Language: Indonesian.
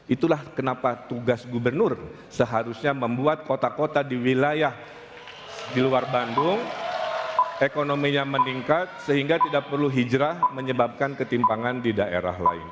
itulah kenapa tugas gubernur seharusnya membuat kota kota di wilayah di luar bandung ekonominya meningkat sehingga tidak perlu hijrah menyebabkan ketimpangan di daerah lain